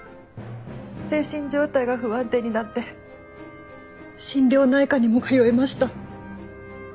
精神状態が不安定になって心療内科にも通いました。